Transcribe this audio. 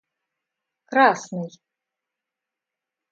красный